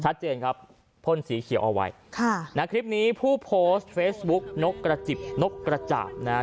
ชัดเจนครับพ่นสีเขียวเอาไว้ค่ะนะคลิปนี้ผู้โพสต์เฟซบุ๊กนกกระจิบนกกระจ่าบนะฮะ